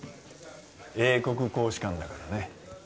英国公使館だからね